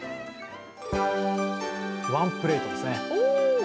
ワンプレートですね。